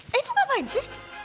eh itu ngapain si